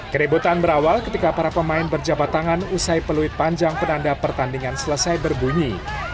keributan berawal ketika para pemain berjabat tangan usai peluit panjang penanda pertandingan selesai berbunyi